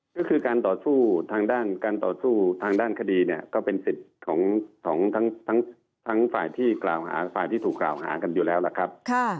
ก็คือการต่อสู้ทางด้านการต่อสู้ทางด้านคดีเนี่ยก็เป็นสิทธิ์ของทั้งฝ่ายที่กล่าวหาฝ่ายที่ถูกกล่าวหากันอยู่แล้วล่ะครับ